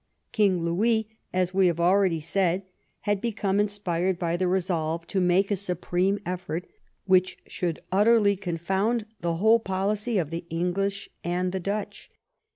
King Louis, as we have already said, had become inspired by the resolve to make a supreme efFort which should utterly confound the whole policy of the English and the Dutch.